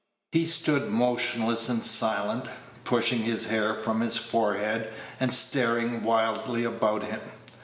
He stood motionless and silent, pushing his hair from his forehead, and staring wildly about him.